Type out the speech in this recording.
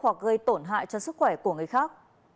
hoặc gây tổn hại cho sức khỏe của người khác